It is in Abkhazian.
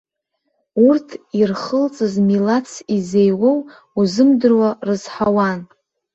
Урҭ ирхылҵыз милаҭс изеиуоу узымдыруа рыз-ҳауан.